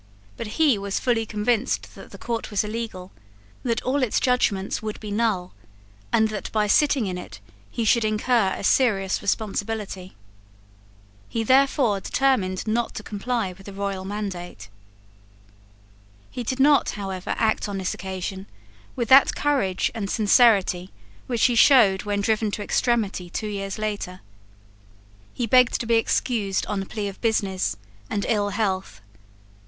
But he was fully convinced that the court was illegal, that all its judgments would be null, and that by sitting in it he should incur a serious responsibility. He therefore determined not to comply with the royal mandate. He did not, however, act on this occasion with that courage and sincerity which he showed when driven to extremity two years later. He begged to be excused on the plea of business and ill health.